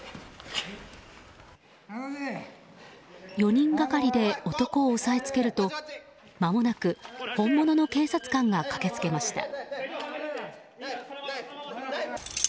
４人がかりで男を押さえつけるとまもなく本物の警察官が駆けつけました。